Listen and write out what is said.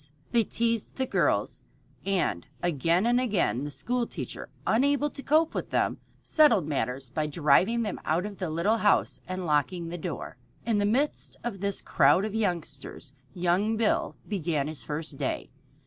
They teased the girls, and again and again the school teacher, unable to cope with them, settled matters by driving them out of the little house and locking the door. In the midst of this crowd of youngsters young Bill began his first day.